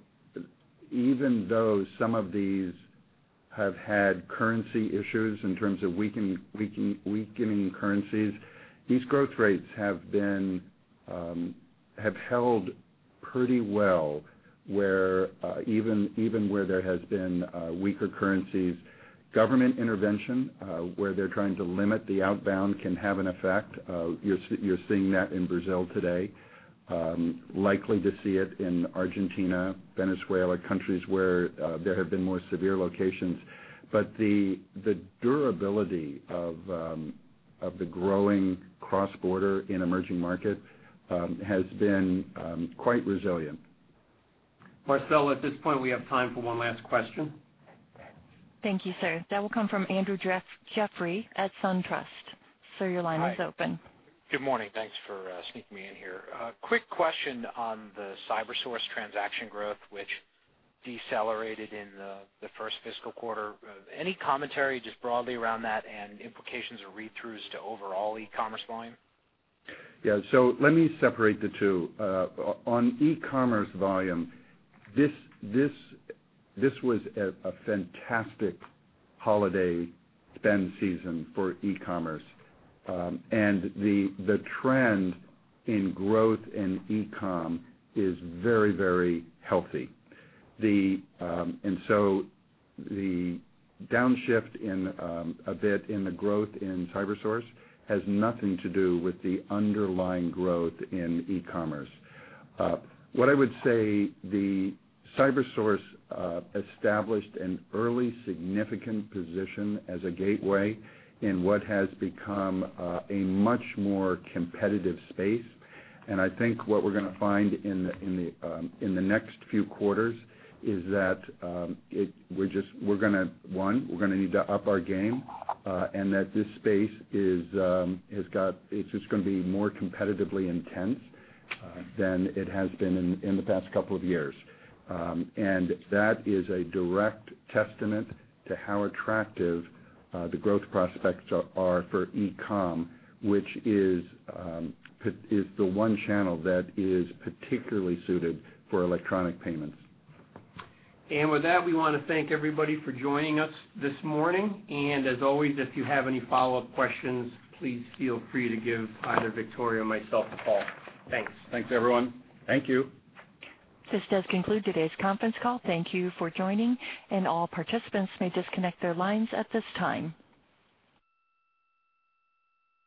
S3: even though some of these have had currency issues in terms of weakening currencies, these growth rates have held pretty well even where there has been weaker currencies. Government intervention where they're trying to limit the outbound can have an effect. You're seeing that in Brazil today. Likely to see it in Argentina, Venezuela, countries where there have been more severe limitations. But the durability of the growing cross-border in emerging market has been quite resilient.
S4: Marcela, at this point, we have time for one last question.
S1: Thank you, sir. That will come from Andrew Jeffrey at SunTrust. Sir, your line is open.
S15: Good morning. Thanks for sneaking me in here. Quick question on the CyberSource transaction growth, which decelerated in the first fiscal quarter. Any commentary just broadly around that and implications or read-throughs to overall e-commerce volume?
S3: Yeah. So let me separate the two. On e-commerce volume, this was a fantastic holiday spend season for e-commerce. And the trend in growth in e-com is very, very healthy. And so the downshift in a bit in the growth in CyberSource has nothing to do with the underlying growth in e-commerce. What I would say, the CyberSource established an early significant position as a gateway in what has become a much more competitive space. And I think what we're going to find in the next few quarters is that we're going to, one, we're going to need to up our game and that this space has got, it's just going to be more competitively intense than it has been in the past couple of years. That is a direct testament to how attractive the growth prospects are for e-com, which is the one channel that is particularly suited for electronic payments.
S4: With that, we want to thank everybody for joining us this morning. As always, if you have any follow-up questions, please feel free to give either Victoria or myself a call. Thanks.
S3: Thanks, everyone.
S4: Thank you.
S1: This does conclude today's conference call. Thank you for joining, and all participants may disconnect their lines at this time.